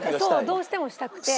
どうしてもしたくて。